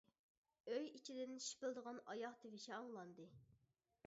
ئۆي ئىچىدىن شىپىلدىغان ئاياق تىۋىشى ئاڭلاندى.